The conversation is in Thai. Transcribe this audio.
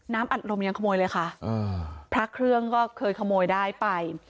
อัดลมยังขโมยเลยค่ะอ่าพระเครื่องก็เคยขโมยได้ไป